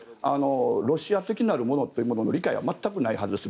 ロシア的なるものというものの理解は全くないはずです